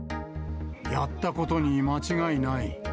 やったことに間違いない。